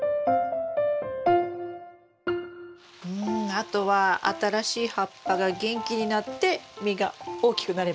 あとは新しい葉っぱが元気になって実が大きくなればいいんですよね。